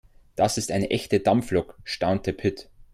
Das ist eine echte Dampflok, staunte Pit.